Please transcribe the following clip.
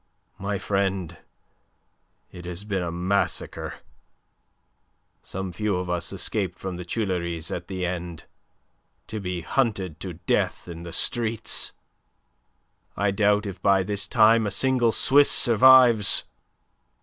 My friend, it has been a massacre. Some few of us escaped from the Tuileries at the end, to be hunted to death in the streets. I doubt if by this time a single Swiss survives.